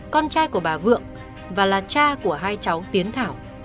con trai của bà vượng và là cha của hai cháu tiến thảo